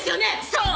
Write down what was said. そう！